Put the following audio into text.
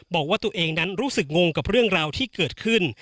บอกว่าตัวเองนั้นรู้สึกงงกับเรื่องราวที่เกิดขึ้น